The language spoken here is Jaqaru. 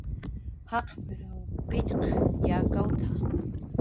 "Jaqp""rw p""itx""q yakawt""a "